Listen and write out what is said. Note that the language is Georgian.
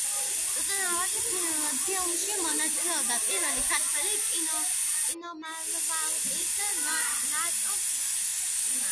წუწუნავას ფილმებში მონაწილეობდა პირველი ქართველი კინოვარსკვლავი ნატო ვაჩნაძე.